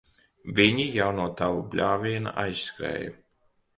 Viņi jau no tava bļāviena aizskrēja.